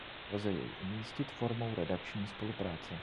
Lze jej umístit formou redakční spolupráce.